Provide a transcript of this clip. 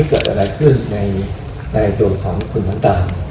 เกิดอะไรขึ้นในตัวของคุณน้ำตาล